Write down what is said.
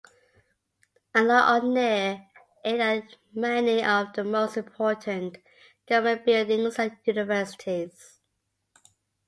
Along or near it are many of the most important government buildings and universities.